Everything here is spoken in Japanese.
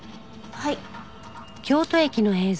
はい。